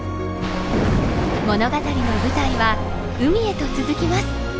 物語の舞台は海へと続きます。